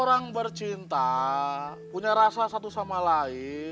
orang bercinta punya rasa satu sama lain